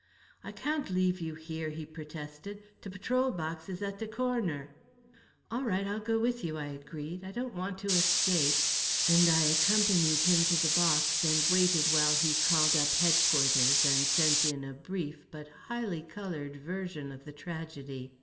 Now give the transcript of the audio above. "I can't leave you here," he protested. "T'e patrol box is at t'e corner." "All right; I'll go with you," I agreed. "I don't want to escape," and I accompanied him to the box, and waited while he called up headquarters, and sent in a brief but highly coloured version of the tragedy.